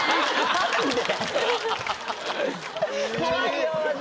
マジで。